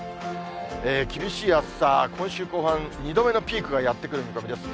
厳しい暑さ、今週後半、２度目のピークがやって来る見込みです。